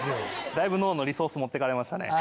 だいぶ脳のリソース持ってかれましたね。